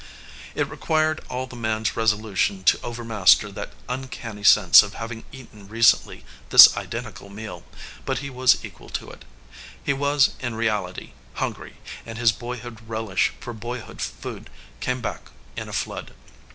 It required all the man s resolution to over master that uncanny sense of having eaten recently this identical meal, but he was equal to it. He was, in reality, hungry, and his boyhood relish for boy hood food came back in a flood.